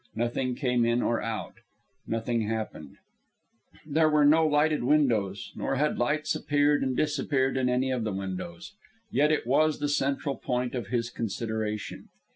Nothing came in nor out. Nothing happened. There were no lighted windows, nor had lights appeared and disappeared in any of the windows. Yet it was the central point of his consideration.